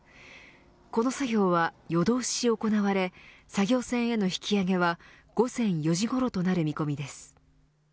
この作業は、夜通し行われ作業船への引き揚げは午前４時ごろとなる見込みです。